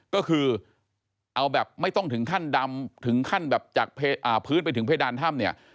ก็คือไม่ต้องถึงขั้นดำถึงขั้นจากพื้นไปถึงเพดานถ้ำ